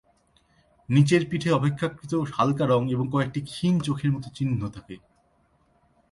নিচের পিঠে অপেক্ষাকৃত হালকা রঙ এবং কয়েকটি ক্ষীণ চোখের মতো চিহ্ন থাকে।